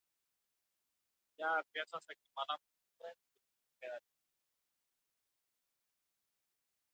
या अभ्यासासाठी मला ‘फुलब्राईट फेलोशिप' मिळाली.